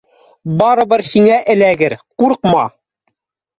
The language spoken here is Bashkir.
— Барыбер һиңә эләгер, ҡурҡма